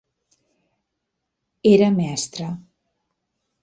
Era mestre.